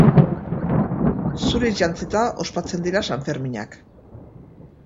Zuriz jantzita ospatzen dira Sanferminak.